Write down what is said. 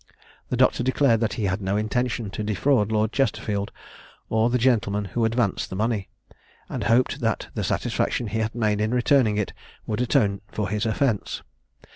The doctor declared that he had no intention to defraud Lord Chesterfield or the gentlemen who advanced the money, and hoped that the satisfaction he had made in returning it would atone for his offence.